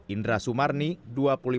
indra sumarni dua puluh lima tahun asal jawa